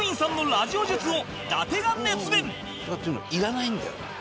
「いらないんだよ」と。